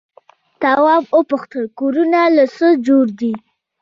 تواب وپوښتل کورونه له څه جوړ دي؟